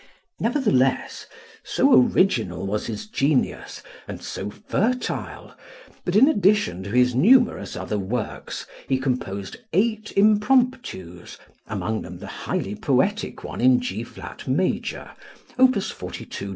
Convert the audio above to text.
Nevertheless, so original was his genius and so fertile, that, in addition to his numerous other works, he composed eight impromptus, among them the highly poetic one in G flat major (Opus 42, No.